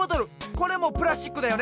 これもプラスチックだよね。